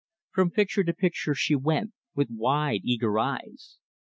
From picture to picture, she went, with wide, eager eyes.